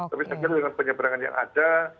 tapi segini dengan penyebrangannya yang ada